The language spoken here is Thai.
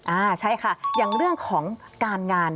อ่าใช่ค่ะอย่างเรื่องของการงาน